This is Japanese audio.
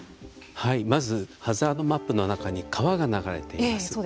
まず、ハザードマップの中に川が流れています。